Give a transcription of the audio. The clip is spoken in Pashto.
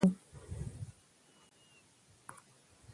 زه هر ماښام د خپلې روغتیا لپاره سپورت کووم